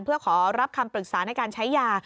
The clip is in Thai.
เพื่อขอรับคำปรึกษาในการใช้ยา